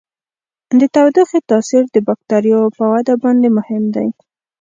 د تودوخې تاثیر د بکټریاوو په وده باندې مهم دی.